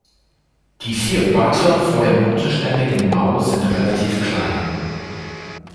Die vier Barteln vor dem unterständigen Maul sind relativ klein.